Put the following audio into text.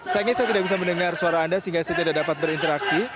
sayangnya saya tidak bisa mendengar suara anda sehingga saya tidak dapat berinteraksi